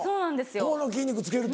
ここの筋肉つけると。